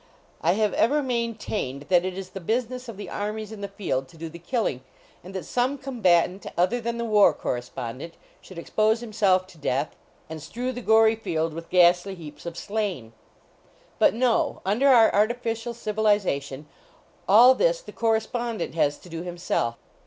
I have ever main tained that it is the business of the armie> in the field to do the killing, and that some combatant, other than the war correspon dent, should expose himself to death, and 247 HOUSEHOLD PETS strew the gory field with ghastly heaps of slain. But no; under our artificial civiliza tion, all this the correspondent has to do himself.